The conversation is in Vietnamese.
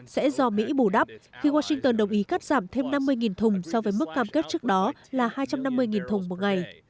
sẽ do mỹ bù đắp khi washington đồng ý cắt giảm thêm năm mươi thùng so với mức cam kết trước đó là hai trăm năm mươi thùng một ngày